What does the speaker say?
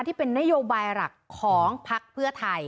ที่เป็นนโยบายหลักของพักเพื่อไทย